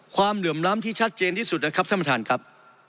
เหลื่อมล้ำที่ชัดเจนที่สุดนะครับท่านประธานครับ